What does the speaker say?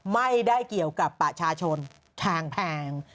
ไม่ได้เกี่ยวกับประชาชนทางแพง